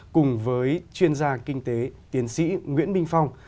cùng với chuyên gia kinh tế tiến sĩ nguyễn minh phong